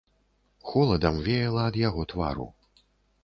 Холадам веяла ад яго твару.